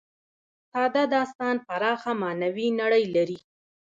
ساده داستان پراخه معنوي نړۍ لري.